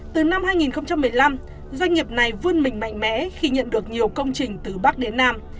từ năm hai nghìn một mươi năm doanh nghiệp này vươn mình mạnh mẽ khi nhận được nhiều công trình từ bắc đến nam